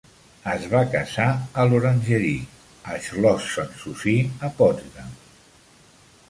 Es va casar a l'Orangerie, a Schloss Sanssouci, a Potsdam.